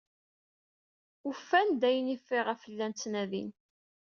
Ufan-d ayen ayɣef llan ttnadin.